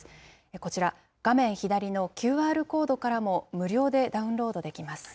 こちら、画面左のＱＲコードからも、無料でダウンロードできます。